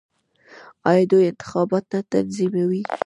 آیا دوی انتخابات نه تنظیموي؟